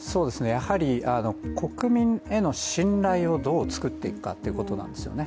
やはり国民への信頼をどう作っていくかというところなんですよね。